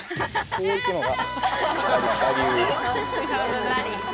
こう行くのが。